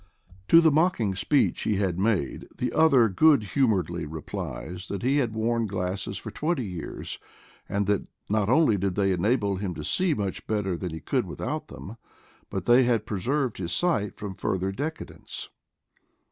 To the mocking speech he had made the other good humoredly replied that he had worn glasses for twenty years, that not only did they enable him to see much better than he could without them, but they had preserved his sight from fur ther decadence.